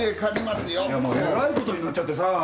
いやまあえらいことになっちゃってさ。